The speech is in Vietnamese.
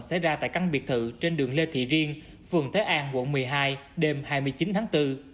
xảy ra tại căn biệt thự trên đường lê thị riêng phường thế an quận một mươi hai đêm hai mươi chín tháng bốn